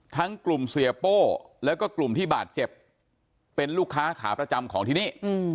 ทั้งกลุ่มเสียโป้แล้วก็กลุ่มที่บาดเจ็บเป็นลูกค้าขาประจำของที่นี่